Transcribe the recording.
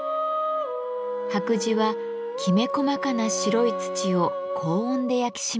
白磁はきめ細かな白い土を高温で焼き締めたもの。